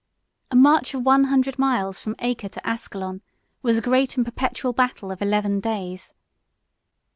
A march of one hundred miles from Acre to Ascalon was a great and perpetual battle of eleven days.